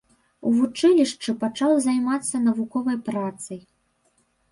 У вучылішчы пачаў займацца навуковай працай.